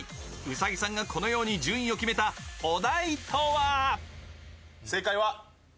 兎さんがこのように順位を決めたお題とは？